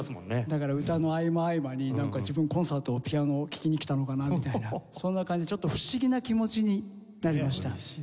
だから歌の合間合間になんか自分コンサートをピアノを聴きに来たのかなみたいなそんな感じでちょっと不思議な気持ちになりました。